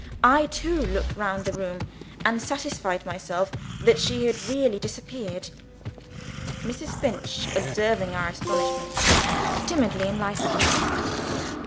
I too looked round the room, and satisfied myself that she had really disappeared. Mrs. Finch, observing our astonishment, timidly enlightened us.